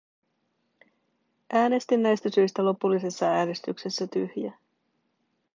Äänestin näistä syistä lopullisessa äänestyksessä tyhjää.